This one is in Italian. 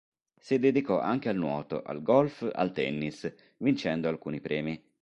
Si dedicò anche al nuoto, al golf, al tennis, vincendo alcuni premi.